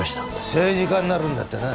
政治家になるんだってな。